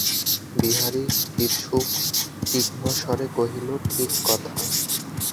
বিহারী কিছু তীক্ষ্ণস্বরে কহিল, ঠিক কথা।